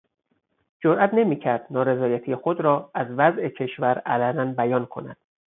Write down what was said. جرات نمیکرد نارضایتی خود را از وضع کشور علنا بیان کند.